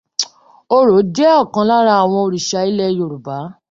Orò jẹ́ ọ̀kan lára àwọn òrìṣà ilè Yorùbá.